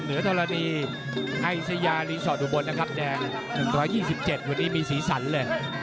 ธรณีไอสยารีสอร์ดุบลนะครับแดง๑๒๗วันนี้มีสีสันเลย